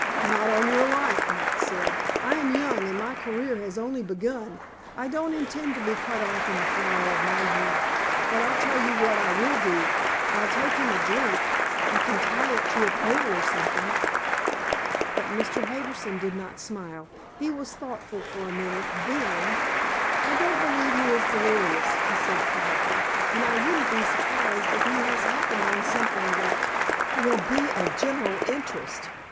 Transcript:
"Not on your life," Max said. "I am young, and my career has only begun. I don't intend to be cut off in the flower of my youth. But I'll tell you what I will do; I'll take him a drink. I can tie it to a pole or something." But Mr. Harbison did not smile. He was thoughtful for a minute. Then: "I don't believe he is delirious," he said quietly, "and I wouldn't be surprised if he has happened on something that will be of general interest.